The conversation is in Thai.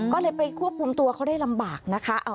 ก็เลยไปควบคุมตัวเขาได้ลำบากนะคะ